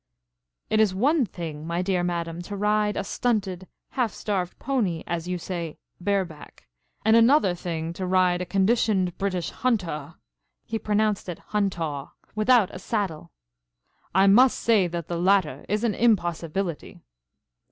"It is one thing, my dear Madame, to ride a stunted, half starved pony, as you say 'bareback,' and another thing to ride a conditioned British Hunter (he pronounced it huntaw) without a saddle. I must say that the latter is an impossibility."